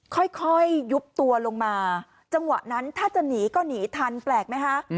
ค่อยยุบตัวลงมาจังหวะนั้นถ้าจะหนีก็หนีทันแปลกไหมคะ